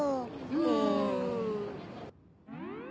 うん。